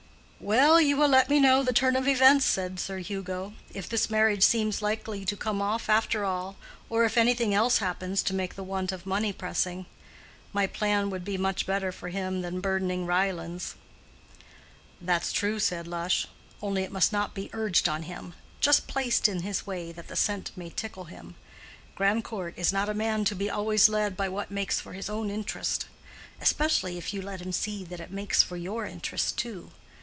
"Well, you will let me know the turn of events," said Sir Hugo, "if this marriage seems likely to come off after all, or if anything else happens to make the want of money pressing. My plan would be much better for him than burdening Ryelands." "That's true," said Lush, "only it must not be urged on him—just placed in his way that the scent may tickle him. Grandcourt is not a man to be always led by what makes for his own interest; especially if you let him see that it makes for your interest too.